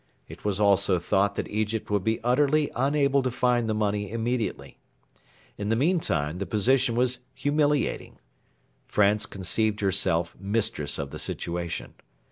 It was also thought that Egypt would be utterly unable to find the money immediately. In the meantime the position was humiliating. France conceived herself mistress of the situation.